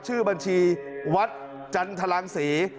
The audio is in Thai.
ชื่อบัญชีวัดจันทรังศรี